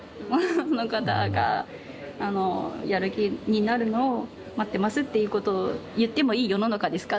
その方があのやる気になるのを待ってますっていうことを言ってもいい世の中ですか？